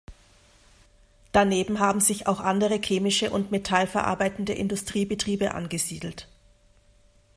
Daneben haben sich auch andere chemische und metallverarbeitende Industriebetriebe angesiedelt.